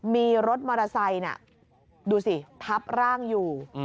มีรถมอเตอร์ไซค์ดูสิทับร่างอยู่